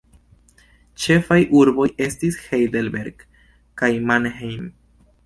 Ĉefaj urboj estis Heidelberg kaj Mannheim.